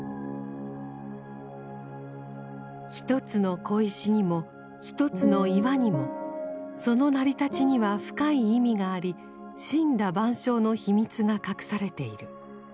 １つの小石にも１つの岩にもその成り立ちには深い意味があり森羅万象の秘密が隠されている。